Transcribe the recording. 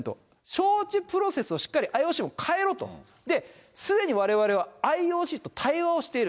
招致プロセスをしっかりＩＯＣも変えろと、で、すでにわれわれはＩＯＣと対話をしている。